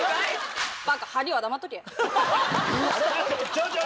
ちょちょ。